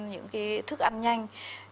những cái thức ăn nhanh